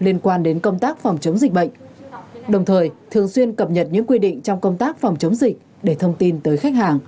liên quan đến công tác phòng chống dịch bệnh đồng thời thường xuyên cập nhật những quy định trong công tác phòng chống dịch để thông tin tới khách hàng